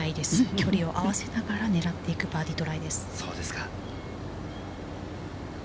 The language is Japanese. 距離を合わせながら狙っていくバーディートライです。